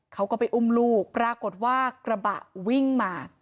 เขาก็ไปอุ้มลูกปรากฏว่ากระบะวิ่งมา